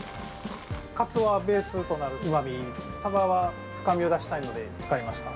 ◆カツオはベースとなるうまみ、サバは深みを出したいので使いました。